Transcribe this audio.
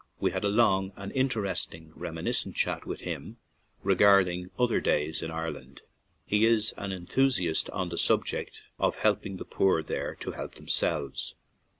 We had a long and in teresting reminiscent chat with him re garding other days in Ireland; he is an enthusiast on the subject of helping the poor there to help themselves.